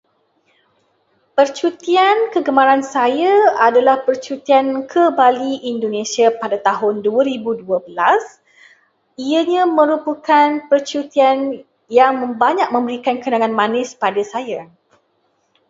Percutian kegemaran saya adalah percutian ke Bali, Indonesia, pada tahun dua ribu dua belas. Ianya merupakan percutian yang banyak memberikan kenangan manis pada saya.